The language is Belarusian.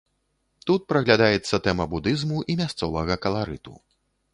Тут праглядаецца тэма будызму і мясцовага каларыту.